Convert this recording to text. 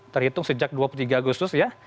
terhitung sejak dua puluh tiga agustus ya